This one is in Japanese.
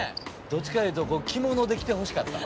どっちかいうと着物で来てほしかった。